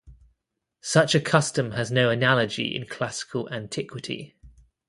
Such a custom has no analogy in classical antiquity.